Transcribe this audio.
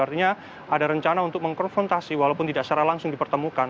artinya ada rencana untuk mengkonfrontasi walaupun tidak secara langsung dipertemukan